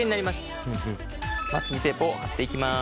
マスキングテープを貼っていきます。